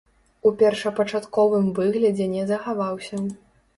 У першапачатковым выглядзе не захаваўся.